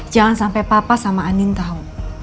jangan sampai papa sama anin tahu